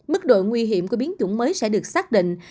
mức độ nguy hiểm của biến chủng mới sẽ được xác định